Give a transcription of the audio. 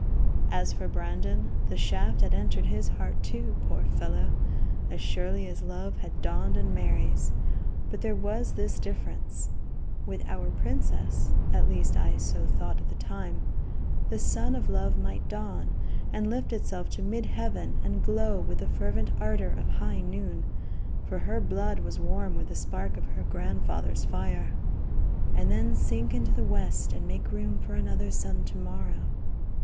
As for Brandon, the shaft had entered his heart, too, poor fellow, as surely as love had dawned in Mary's, but there was this difference: With our princess at least I so thought at the time the sun of love might dawn and lift itself to mid heaven and glow with the fervent ardor of high noon for her blood was warm with the spark of her grandfather's fire and then sink into the west and make room for another sun to morrow.